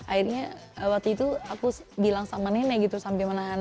akhirnya waktu itu aku bilang sama nenek gitu sampai menahan